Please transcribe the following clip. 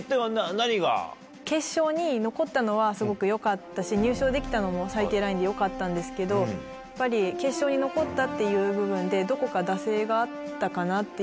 決勝に残ったのはすごくよかったし入賞できたのも最低ラインでよかったんですけどやっぱり決勝に残ったっていう部分でどこか。